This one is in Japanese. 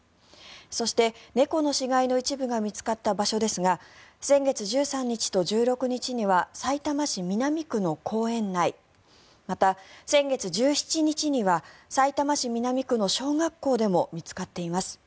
そして、猫の死骸の一部が見つかった場所ですが先月１３日と１６日にはさいたま市南区の公園内また、先月１７日にはさいたま市南区の小学校でも見つかっています。